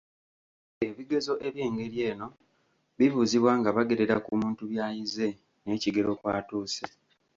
Ebigezo eby'engeri eno bibuuzibwa nga bagerera ku muntu by'ayize n'ekigero kw'atuuse.